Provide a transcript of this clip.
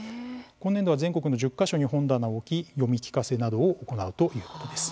今年度は全国の１０か所に本棚を置き、読み聞かせなどを行うということです。